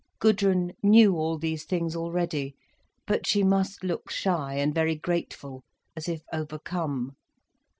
Gudrun knew all these things already, but she must look shy and very grateful, as if overcome.